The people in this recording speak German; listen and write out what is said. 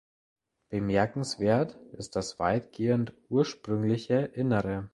Bemerkenswert ist das weitgehend ursprüngliche Innere.